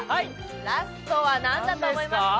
ラストは何だと思いますか？